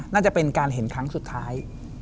น่าจะเป็นการเห็นครั้งสุดท้าย